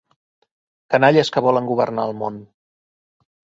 Canalles que volen governar el món.